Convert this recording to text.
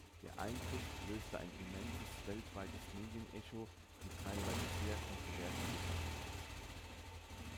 Der Eingriff löste ein immenses weltweites Medienecho mit teilweise sehr kontroversen Debatten aus.